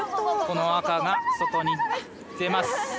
この赤が外に出ます。